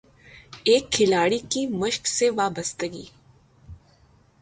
ایک کھلاڑی کی مشق سے وابستگی